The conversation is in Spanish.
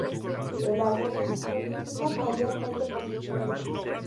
El álbum recibió críticas mayormente positivas.